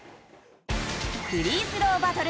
フリースローバトル。